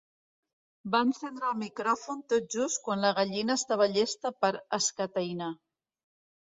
Va encendre el micròfon tot just quan la gallina estava llesta per escatainar.